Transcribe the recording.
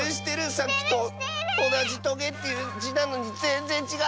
さっきとおなじ「とげ」っていう「じ」なのにぜんぜんちがうッス！